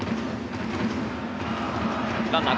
ランナー